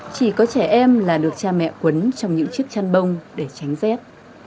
chỉ có trẻ em là được cha mẹ quấn trong những chiếc chăn bông để tránh rét